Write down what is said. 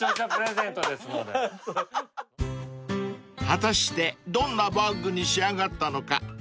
［果たしてどんなバッグに仕上がったのか？］